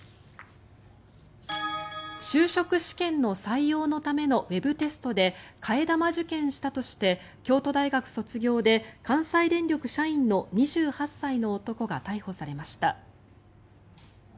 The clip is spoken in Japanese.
就職試験の採用のためのウェブテストで替え玉受験したとして京都大学卒業で関西電力社員の２８歳の男が逮捕されました。